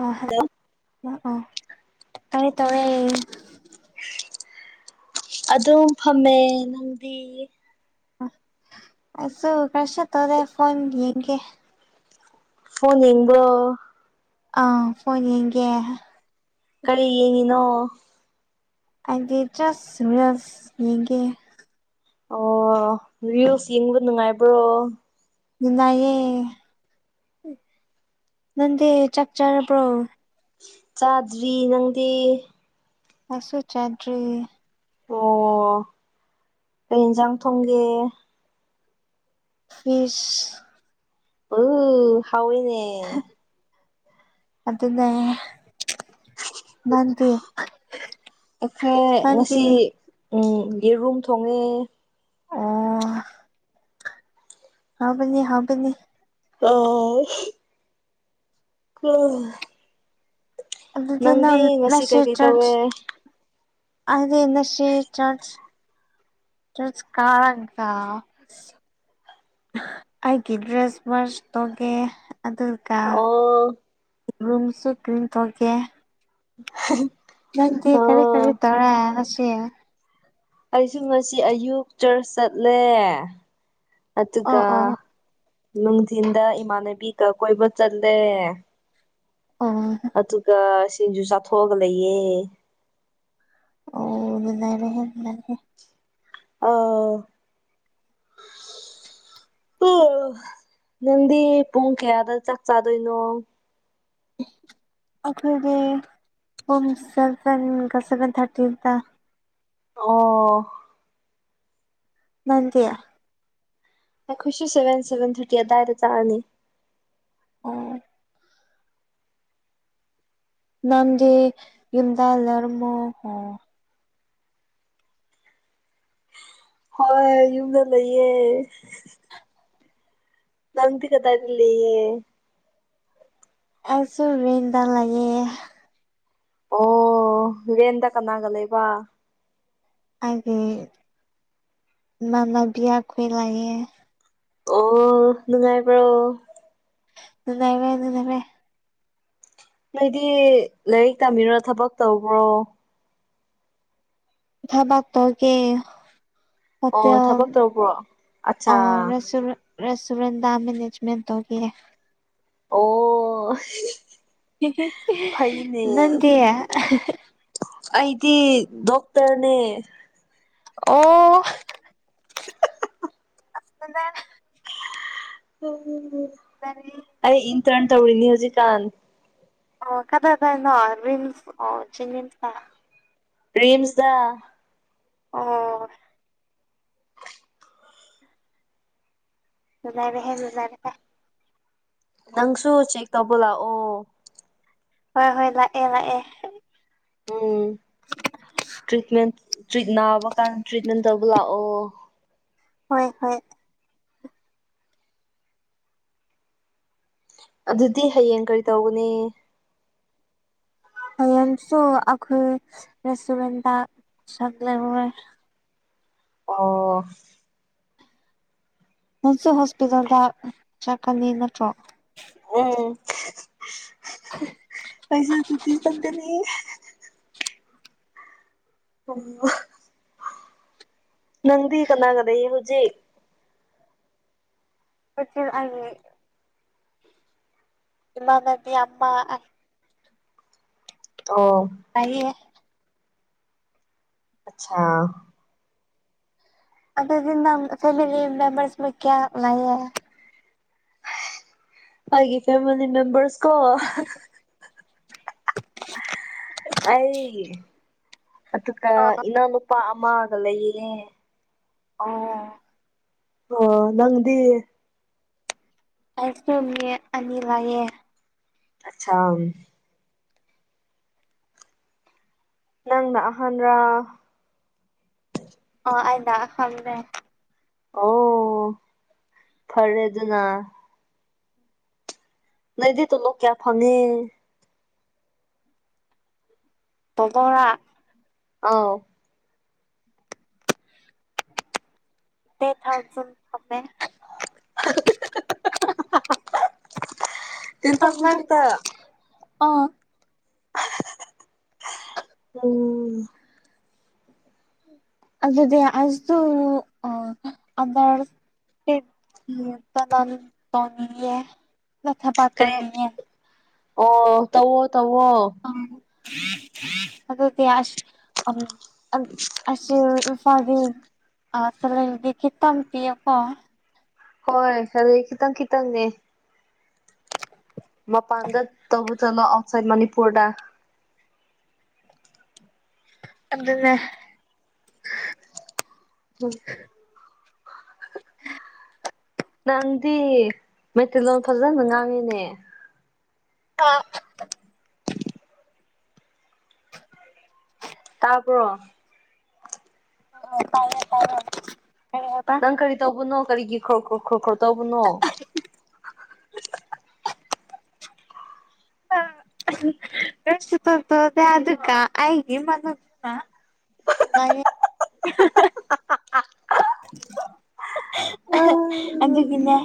ꯑ ꯍ ꯑ ꯇꯥꯌꯦ ꯇꯥꯌꯦ ꯑꯗꯨꯝ ꯐꯝꯃꯦ ꯅꯪꯗꯤ ꯑꯩꯁꯨ ꯀꯔꯤꯁꯨ ꯇꯧꯗꯦ ꯐꯣꯟ ꯌꯦꯡꯒꯦ ꯐꯣꯟ ꯌꯦꯡꯕ꯭ꯔꯣ ꯑꯥ ꯐꯣꯟ ꯌꯦꯡꯒꯦ ꯀꯔꯤ ꯌꯦꯡꯉꯤꯅꯣ ꯑꯩꯗꯤ ꯖꯨꯠꯁ ꯔꯤꯁ ꯌꯦꯡꯒꯦ ꯑꯣ ꯔꯤꯁꯜ ꯌꯦꯡꯕ ꯅꯨꯡꯉꯥꯏꯕ꯭ꯔꯣ ꯅꯤꯉꯥꯏꯌꯦ ꯅꯗꯦ ꯆꯥꯛ ꯆꯔꯕ꯭ꯔꯣ ꯆꯥꯗ꯭ꯔꯤ ꯅꯪꯗꯤ ꯍꯁꯨ ꯆꯗ꯭ꯔꯤ ꯑꯣ ꯑꯩ ꯏꯟꯖꯥꯡ ꯊꯣꯡꯒꯦ ꯐꯤꯁ ꯎ ꯍꯥꯎꯏꯅꯦ ꯑꯗꯨꯅꯦ [unintelligible] ꯑꯩꯈꯣꯏ ꯅꯪꯗꯤ ꯉꯁꯤ ꯌꯦꯔꯨꯝ ꯊꯣꯡꯉꯦ ꯑꯣ ꯍꯥꯎꯕꯅꯤ ꯍꯥꯎꯕꯅꯤ [unintelligible] ꯑꯗꯨꯗꯤ ꯅꯪꯗꯤ ꯅꯪ ꯉꯁꯤ ꯀꯩꯀꯩ ꯇꯧꯋꯦ ꯆꯔꯆ [unintelligible] [unintelligible] ꯀꯥꯔꯒ ꯑꯩꯒꯤ ꯗ꯭ꯔꯦꯁ ꯋꯥꯁ ꯇꯧꯒꯦ ꯑꯗꯨ ꯀꯥ ꯑꯣ ꯔꯨꯝꯁꯨ ꯀ꯭ꯔꯤꯟ ꯇꯧꯒꯦ [unintelligible] ꯅꯪꯗꯤ ꯀꯔꯤ ꯀꯔꯤ ꯑꯣ ꯇꯧꯔ ꯑꯁ ꯑꯩꯁꯤ ꯉꯁꯤ ꯑꯌꯨꯛ ꯆꯔꯆ ꯆꯠꯂꯦ ꯑꯣ ꯑꯗꯨꯒ ꯑꯣ ꯅꯨꯡꯊꯤꯟꯗ ꯏꯃꯥꯟꯅꯕꯤꯒ ꯀꯣꯏꯕ ꯆꯠꯂꯦ ꯑꯣ ꯑꯗꯨꯒ ꯁꯤꯡꯖꯨ ꯆꯥꯊꯣꯛꯑꯒ ꯂꯩꯌꯦ ꯑꯣ ꯉꯥꯏꯔꯦꯍꯦ ꯉꯥꯏꯔꯦ ꯑꯥ ꯑꯣ ꯅꯪꯗꯤ ꯄꯨꯡ ꯀꯌꯥꯗ ꯆꯥꯛ ꯆꯥꯗꯣꯏꯅꯣ ꯑꯩꯈꯣꯏꯒꯤ ꯄꯝ ꯁꯚꯦꯟꯒ ꯁꯚꯦꯟ ꯊꯥꯔꯇꯤꯒ ꯑꯣ ꯅꯟꯇꯤ ꯑꯩꯈꯣꯏꯁꯤ ꯁꯕꯦꯟ ꯁꯕꯦꯟ ꯊꯔꯇꯤ ꯑꯗꯥꯏꯗ ꯆꯥꯔꯅꯤ ꯑꯣ ꯅꯪꯗꯤ ꯌꯨꯝꯗꯥ ꯂꯔꯃꯣ ꯍꯣ ꯍꯣꯏ ꯌꯨꯝꯗ ꯂꯩꯌꯦ ꯅꯪꯗꯤ ꯀꯗꯏꯂꯩꯌꯦ ꯑꯩꯁꯨ ꯔꯦꯟꯗ ꯂꯩꯌꯦ ꯑꯣ ꯔꯦꯟꯠ ꯗ ꯀꯅꯥꯒ ꯂꯩꯕ꯫ ꯑꯒꯤ ꯃꯅꯥꯥꯕꯤꯌꯥ ꯈꯣꯏ ꯂꯌꯦ ꯑꯣ ꯅꯨꯡꯉꯥꯏꯕ꯭ꯔꯣ [unintelligible] ꯅꯗꯤ ꯂꯥꯏꯔꯤꯛ ꯇꯥꯃꯤꯔꯣ ꯊꯕꯛ ꯇꯧꯕ꯭ꯔꯣ ꯀ ꯊꯕꯥꯛ ꯇ ꯀꯦ [unintelligible] ꯑꯣ ꯊꯕꯛ ꯇꯧꯕ꯭ꯔꯣ ꯑꯠꯆꯥ ꯔꯦꯁꯇꯣꯔꯦꯟꯗ ꯃꯦꯅꯦꯖꯃꯦꯟꯠ ꯇꯧꯕꯤꯌꯦ ꯑꯣ ꯐꯩꯅꯦ ꯅꯗꯦ ꯑꯩꯗꯤ ꯗꯣꯛꯇꯔꯅꯦ ꯑꯣ [unintelligible] [unintelligible] [unintelligible] ꯑꯩ ꯏꯟ ꯇꯔꯟ ꯇꯧꯔꯤꯅꯤ ꯍꯧꯖꯤꯛ ꯀꯥꯟ ꯑꯣ ꯀꯗꯥꯗꯅꯣ ꯔꯤꯝꯁ ꯑꯣ ꯆꯝ ꯔꯤꯝꯁꯗ [unintelligible] [unintelligible] ꯅꯪꯁꯨ ꯆꯦꯛ ꯇꯧꯕ ꯂꯥꯛꯑꯣ ꯍꯣꯏ ꯍꯣꯏ ꯂꯥꯛꯑꯦ ꯂꯥꯛꯑꯦ ꯎꯝ ꯇ꯭ꯔꯤꯠꯃꯦꯟ ꯅꯥꯕ ꯀꯥꯟꯗ ꯇ꯭ꯔꯤꯠꯃꯦꯟ ꯇꯧꯕ ꯂꯥꯛꯑꯣ ꯍꯣꯏ ꯍꯣꯏ ꯑꯗꯨꯗꯤ ꯍꯌꯦꯡ ꯀꯔꯤ ꯇꯧꯒꯅꯤ ꯍꯌꯦꯡꯁꯨ ꯑꯩꯈꯣꯏ ꯔꯦꯁꯇꯨꯔꯦꯟꯗ ꯁꯛ [unintelligible] ꯑꯣ ꯅꯟꯁ ꯍꯣꯁꯄꯤꯇꯥꯜꯗ ꯆꯠꯀꯅꯤ ꯅꯠꯇ꯭ꯔꯣ ꯎꯝ ꯑꯩꯁꯨ ꯇꯗꯤ ꯆꯠꯀꯥꯅꯤ ꯎ ꯅꯪꯗꯤ ꯀꯅꯥꯒ ꯂꯩꯌꯦꯕꯥ ꯍꯧꯖꯤꯛ [unintelligible] ꯏꯃꯥ ꯅꯗꯤ ꯌꯥꯄꯥ ꯑꯣ ꯇꯥꯏꯌꯦ ꯑꯆꯥ ꯑꯗꯨꯗꯤ ꯅꯪ [unintelligible] ꯀꯌꯥ ꯂꯩꯑꯌꯦ ꯍꯥꯏꯒꯤ ꯐꯦꯃꯤꯂꯤ ꯃꯦꯝꯕꯔꯁ ꯀꯣ ꯑꯩꯒꯤ ꯑꯗꯨꯒ ꯑꯣ ꯏꯅꯥꯎꯅꯨꯄꯥ ꯑꯃꯒ ꯂꯩꯔꯦ ꯑꯣ ꯑꯣ ꯅꯪꯗꯤ [unintelligible] ꯑꯅꯤ ꯂꯥꯛꯑ ꯑꯆꯥꯥ ꯅꯪꯅ ꯑꯥꯍꯟ꯭ꯔ [unintelligible] ꯑꯣ ꯐꯔꯦ ꯑꯗꯨꯅ ꯅꯗꯤ ꯇꯂꯣ ꯀꯌꯥ ꯐꯪꯉꯤ [unintelligible] ꯑꯥꯎ [unintelligible] [unintelligible] ꯈꯛꯇ [unintelligible] ꯑꯥ [unintelligible] ꯑꯗꯨꯗꯤ [unintelligible] ꯎꯝ ꯇ ꯅꯟ ꯇꯣꯅꯤ ꯑꯦ ꯃꯊꯥ ꯀꯔꯤ ꯄꯇꯣꯅꯤ ꯍꯥꯏ ꯑꯣ ꯇꯧꯋꯣ ꯇꯧꯋꯣ [unintelligible] ꯑ ꯑꯁ ꯑꯁꯤ ꯐꯒꯦ ꯑꯁꯂꯗꯤꯈꯤ ꯇꯝ ꯄꯤ ꯑꯄꯣ ꯍꯣꯏ ꯑꯗꯨꯔ ꯈꯤꯇꯪ ꯈꯤꯇꯪꯅꯦ ꯃ ꯄꯥꯟꯗ ꯇꯕꯨ ꯆꯂꯣ ꯑꯥꯎꯠꯁꯥꯏꯠ ꯃꯅꯤꯄꯨꯔꯗ ꯑꯗꯨꯅꯦ [unintelligible] ꯅꯪꯗꯤ ꯃꯩꯇꯩꯂꯣꯟ ꯐꯖꯅ ꯉꯥꯡꯉꯤꯅꯦ [unintelligible] ꯇꯥꯄ꯭ꯔꯣ ꯑꯣ ꯇꯥꯏꯌꯦ ꯇꯥꯏꯌꯦ ꯅꯪ ꯀꯔꯤ ꯇꯧꯕꯅꯣ ꯀꯔꯤꯒꯤ ꯈ ꯈ ꯈꯔꯣ ꯇꯧꯕꯅꯣ [unintelligible] [unintelligible] [unintelligible] ꯑꯒꯤ ꯑꯗꯨꯅ [unintelligible] ꯑꯗꯨꯗꯒꯤꯟꯅ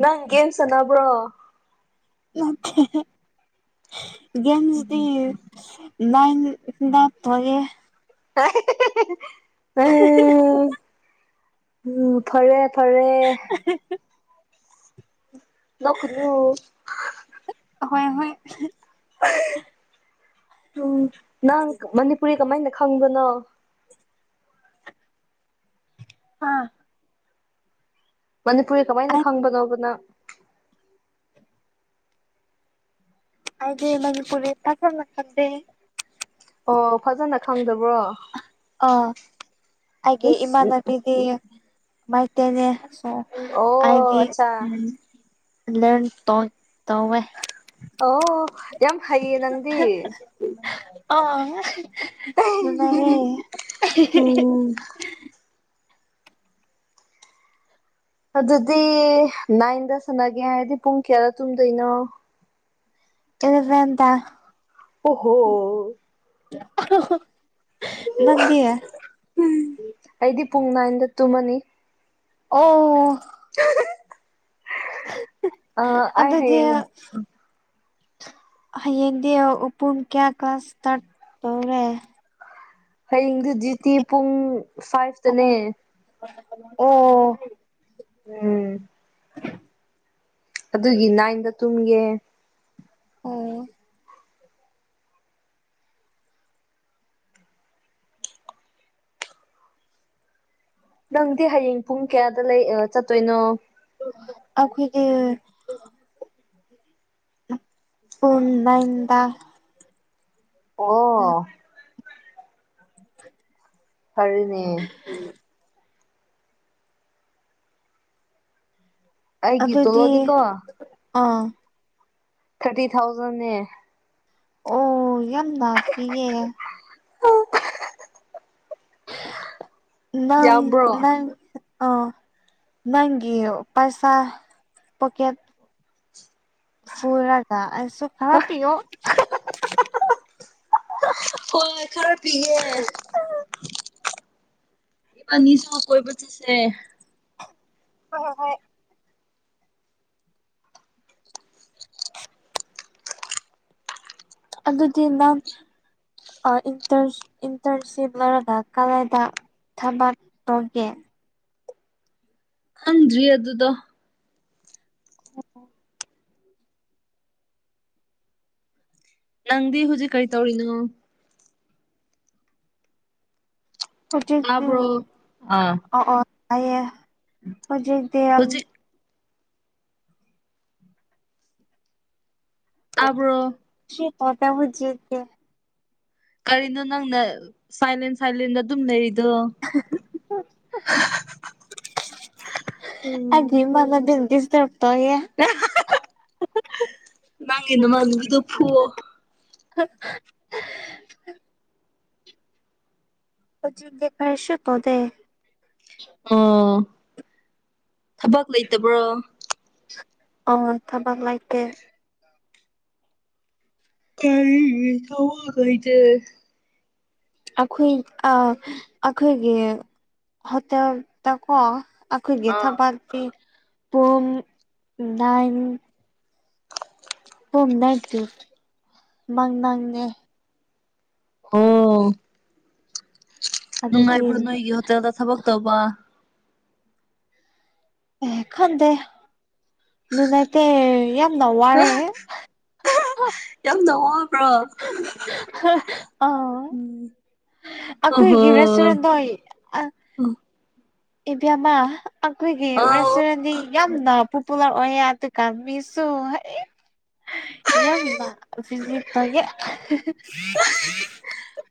ꯅꯪ ꯒꯦꯝ ꯁꯥꯅꯕ꯭ꯔꯣ [unintelligible] ꯒꯦꯝꯗꯤ ꯂꯥꯏꯟ ꯊꯣꯛꯔꯦ [unintelligible] [unintelligible] ꯎꯝ ꯎꯝ ꯐꯔꯦ ꯐꯔꯦ [unintelligible] ꯅꯛꯀꯥꯅꯨ ꯍꯣꯏ ꯍꯣꯏ ꯎꯝ ꯅꯪ ꯃꯅꯤꯄꯨꯔꯤ ꯀꯃꯥꯏꯅ ꯈꯪꯕꯅꯣ ꯍꯥꯥ ꯃꯅꯤꯄꯨꯔꯔꯤ ꯀꯃꯥꯏꯅ ꯑꯩ ꯈꯪꯕꯅꯣꯗꯅ ꯑꯗꯦ ꯃꯪꯄꯨꯔꯦ ꯇ ꯆꯂ ꯀꯗꯦ ꯑꯣ ꯐꯖꯅ ꯈꯪꯗꯕ꯭ꯔꯣ ꯑ ꯑꯩꯒꯤ ꯏꯁ ꯏꯃꯥꯟꯅꯕꯤꯗꯤꯃꯥꯏꯇꯦꯅꯦ ꯑꯣ ꯑꯣ ꯑꯩꯗꯤ ꯑꯠꯆꯥ ꯎ ꯂꯔꯟ ꯇꯧꯋꯦ ꯑꯣ ꯌꯥꯝ ꯍꯩꯌꯦ ꯅꯪꯗꯤ ꯑꯥ [unintelligible] ꯎꯝ ꯑꯗꯨꯗꯤ ꯅꯥꯏꯟꯗ ꯁꯥꯟꯅꯒꯦ ꯍꯥꯏꯔꯗꯤ ꯄꯨꯡ ꯀꯌꯥꯗ ꯇꯨꯝꯗꯣꯏꯅꯣ [unintelligible] ꯑꯣ ꯍꯣ ꯅꯪꯗꯤ ꯎꯝ ꯑꯩꯗꯤ ꯄꯨꯡ ꯅꯥꯏꯟꯗ ꯇꯨꯝꯃꯅꯤ ꯑꯣ [unintelligible] ꯑ ꯑꯩ ꯑꯗꯗꯤ ꯍꯌꯦꯡ ꯍꯌꯦꯡꯗꯤ ꯎꯄꯨꯡ ꯀꯌꯥ ꯀ꯭ꯂꯥꯁ ꯏꯁꯇꯥꯔꯠ ꯇꯧꯔꯦ ꯍꯌꯦꯡꯗꯨꯖꯤꯗꯤꯤ ꯄꯨꯡ ꯑꯣ ꯐꯥꯏꯚꯇꯅꯦ ꯑꯣ ꯎꯝ ꯑꯗꯨꯒꯤ ꯅꯥꯏꯟꯗ ꯇꯨꯝꯒꯦ ꯑꯣ ꯅꯪꯗꯤ ꯍꯌꯦꯡ ꯄꯨꯡ ꯀꯌꯥꯗ ꯂꯩ ꯆꯠꯇꯣꯏꯅꯣ ꯑꯈꯣꯏꯒꯤ [inaudible] [unintelligible] ꯑꯣ [unintelligible] ꯐꯔꯤꯅꯦ ꯎꯝ ꯑꯩꯒꯤ ꯑꯗꯨꯗꯤ ꯇꯣꯂꯣꯗꯤꯀꯣ ꯑꯥ ꯊꯔꯇꯤ ꯊꯥꯎꯖꯟꯦ ꯑꯣ ꯌꯥꯝ ꯅꯥꯄꯤꯌꯦ ꯅꯪ ꯌꯥꯝꯕ꯭ꯔꯣ ꯅꯪ ꯑ ꯅꯪꯒꯤ ꯄꯥꯏꯁꯥ ꯄꯣꯀꯦꯠ [unintelligible] ꯈꯔꯞ ꯄꯤ ꯑꯣ ꯍꯣꯏ ꯈꯔ ꯄꯤꯌꯦ [unintelligible] ꯀꯣꯏꯄꯆꯠꯁꯦ ꯍꯣꯏ ꯍꯣꯏ ꯍꯣꯏ ꯑꯗꯨꯗꯤ ꯅꯍꯪꯇꯔ ꯑꯥ ꯏꯟꯇꯔ ꯏꯟꯇꯔꯟꯁꯤꯞ ꯂꯧꯔꯒ ꯀꯗꯥꯏꯗ ꯊꯥꯕꯥꯠ ꯇꯧꯒꯦ ꯈꯪꯗ꯭ꯔꯤ ꯑꯗꯨꯗꯣ [inaudible] ꯅꯪꯗꯤ ꯍꯧꯖꯤꯛ ꯀꯔꯤ ꯇꯧꯔꯤꯅꯣ ꯍꯧꯖꯤꯛꯇ ꯇꯥꯕ꯭ꯔꯣ ꯑꯥ [unintelligible] ꯍꯧꯖꯤꯛꯇ ꯌꯥꯝ ꯍꯧꯖꯤꯛ ꯊꯥꯕꯣ [unintelligible] ꯍꯧꯖꯤꯠꯇꯦ ꯀꯔꯤꯅꯣ ꯅꯪꯅ ꯁꯥꯏꯂꯦꯟ ꯁꯥꯏꯂꯦꯟꯗ ꯑꯗꯨꯝ ꯂꯩꯔꯤꯗꯣ [unintelligible] [unintelligible] ꯇꯣꯑꯦ [unintelligible] ꯅꯃꯥꯅꯕꯤꯗꯣ ꯐꯨꯑꯣ [unintelligible] ꯀꯔꯁꯨꯇꯧꯗꯦ ꯑꯣ ꯊꯕꯛ ꯂꯩꯇꯕ꯭ꯔꯣ [unintelligible] ꯊꯕꯛ ꯂꯩꯏꯇꯦ [unintelligible] ꯑꯩꯈꯣꯏ ꯑꯥ ꯑꯩꯈꯣꯏꯒꯤ ꯍꯣꯇꯦꯜꯇꯥꯀꯣ ꯑꯩꯈꯣꯏꯒꯤ ꯑꯥ ꯊꯕꯥꯤ ꯄꯨꯡ ꯅꯥꯏꯟ [unintelligible] ꯃꯪ ꯅꯪꯅꯦ ꯑꯣ ꯑꯗꯨꯗꯤ ꯅꯨꯡꯉꯥꯏꯕ꯭ꯔꯣ ꯅꯣꯏꯒꯤ ꯍꯣꯇꯦꯜꯗ ꯊꯕꯛ ꯇꯧꯕ ꯑꯦ ꯈꯟꯗꯦ ꯅꯨꯡꯉꯥꯏꯇꯦ ꯌꯥꯝꯅ ꯋꯥꯔꯦ [unintelligible] ꯌꯥꯝꯅꯋꯥ [unintelligible] ꯑ ꯎꯝ ꯑꯩꯈꯣꯏ ꯑꯣꯍꯣ ꯒꯤ ꯔꯦꯁꯨꯔꯦꯟ ꯅꯣꯏ ꯏꯕꯦꯝꯃꯥ ꯑꯩꯈꯣꯏꯒꯤ ꯑꯥꯎ ꯔꯦꯁꯇꯨꯔꯦꯟꯗꯤ ꯌꯥꯝꯅ ꯄꯣꯄꯨꯂꯔ ꯑꯣꯏꯌꯦ ꯑꯗꯨꯒꯥ ꯃꯤꯁꯨ ꯌꯥꯝ [unintelligible]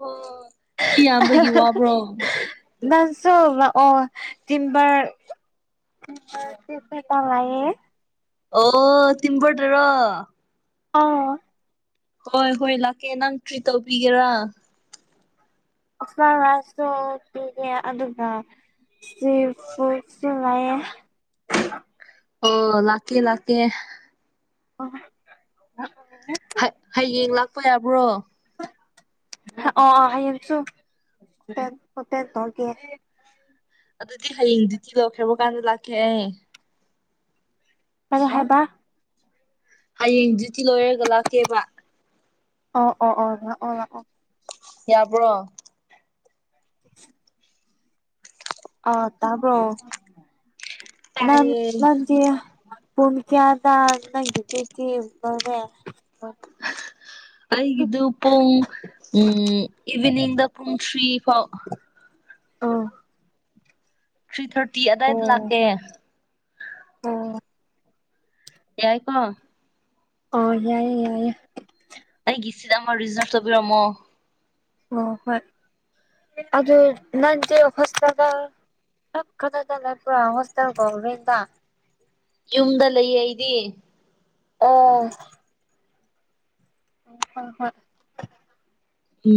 ꯑꯣ ꯃꯤ ꯌꯥꯝꯕꯒꯤ ꯋꯥꯕ꯭ꯔꯣ [unintelligible] ꯅꯪꯁꯑꯣ ꯇꯤꯟꯕꯥꯔ [unintelligible] ꯑꯣ ꯇꯤꯝꯕ꯭ꯔꯗꯔꯣ ꯑꯥ ꯍꯣꯏ ꯍꯣꯏ ꯂꯥꯛꯀꯦ ꯅꯪ ꯇ꯭ꯔꯤꯠ ꯇꯧꯕꯤꯒꯦꯔꯥ ꯑꯂꯥꯁꯨ ꯄꯤꯦ ꯑꯗꯨꯒ ꯁꯤꯐ ꯁꯤꯂꯥꯏ ꯑꯣ ꯂꯥꯛꯀꯦ ꯂꯥꯛꯀꯦ [unintelligible] ꯍꯌꯦꯡ ꯂꯥꯛꯄ ꯌꯥꯕ꯭ꯔꯣ ꯑꯣ ꯍꯥꯏꯁꯨ ꯑꯣ ꯗꯔꯒꯦ ꯑꯗꯨꯗꯤ ꯍꯌꯦꯡꯗꯨꯗꯤ ꯂꯧꯈ꯭ꯔꯕ ꯀꯥꯟꯗ ꯂꯥꯛꯀꯦ ꯀꯔꯤ ꯍꯥꯏꯕ ꯍꯌꯦꯡꯗꯨꯗꯤ ꯂꯣꯏꯔꯒ ꯂꯥꯛꯀꯦꯕ ꯑꯣ ꯑꯣ ꯑꯣ ꯂꯥꯛꯑꯣ ꯂꯥꯛꯑꯣ ꯌꯥꯕ꯭ꯔꯣ [inaudible] ꯑ ꯇꯥꯕ꯭ꯔꯣ ꯅꯟ ꯇꯥꯏꯌꯦ ꯅꯗꯤ ꯄꯨꯡ ꯀꯌꯥꯗ ꯅꯪꯒꯤ ꯗꯨꯁꯇꯤ [unintelligible] ꯑꯩꯒꯤꯗꯨ ꯄꯨꯡ ꯎ ꯏꯚꯅꯤꯡꯗ ꯄꯨꯡ ꯊ꯭ꯔꯤ ꯐꯥꯎ ꯑꯥ ꯊ꯭ꯔꯤ ꯊꯥꯔꯇꯤ ꯑꯗꯥꯋꯥꯏꯗ ꯂꯥꯛꯀꯦ ꯑꯣ ꯌꯥꯏ ꯀꯣ ꯑꯣ ꯌꯥꯏꯌꯦ ꯌꯥꯏꯑꯌꯦ ꯑꯩ ꯒꯁꯤꯥ ꯑꯃ ꯔꯤꯖꯔ ꯁꯕꯤꯔ ꯑꯃꯣ ꯑꯣ ꯍꯣꯏ ꯑꯗꯨ ꯅꯥꯟꯗꯤꯦꯐꯁꯗ ꯀꯗ ꯄꯨ ꯍꯁꯒ ꯌꯨꯝꯗ ꯂꯩꯌꯦ ꯑꯩꯗꯤ ꯑꯣ ꯎ ꯍꯣꯏ ꯍꯣꯏ ꯎꯝ